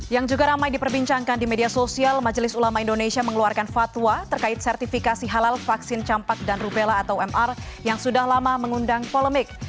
yang juga ramai diperbincangkan di media sosial majelis ulama indonesia mengeluarkan fatwa terkait sertifikasi halal vaksin campak dan rubella atau mr yang sudah lama mengundang polemik